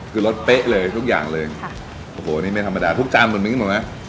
คือรสเป๊ะเลยทุกอย่างเลยค่ะโอ้โหนี่ไม่ธรรมดาทุกจานเหมือนมิ้งถูกไหม